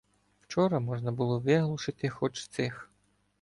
Вчора можна було виглушити хоч цих.